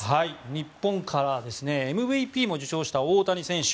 日本からＭＶＰも受賞した大谷選手。